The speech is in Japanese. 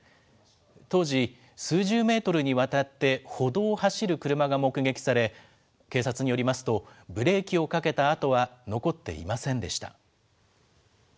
当時、数十メートルにわたって歩道を走る車が目撃され、警察によりますと、ブレーキをかけた痕は残っていませんでした。